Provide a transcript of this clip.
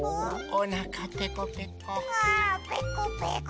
おなかペコペコ。